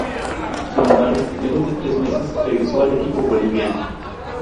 Sin embargo, luego de tres meses regresó al equipo boliviano.